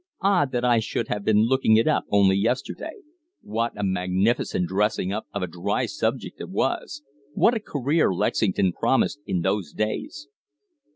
"Odd that I should have been looking it up only yesterday. What a magnificent dressing up of a dry subject it was! What a career Lexington promised in those days!"